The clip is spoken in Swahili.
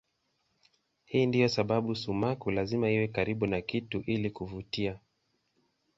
Hii ndiyo sababu sumaku lazima iwe karibu na kitu ili kuvutia.